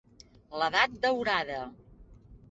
"L'edat daurada".